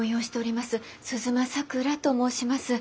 鈴間さくらと申します。